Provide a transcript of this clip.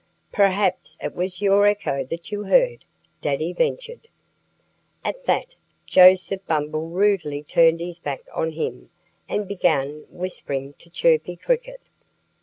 "Perhaps it was your echo that you heard," Daddy ventured. At that Joseph Bumble rudely turned his back on him and began whispering to Chirpy Cricket.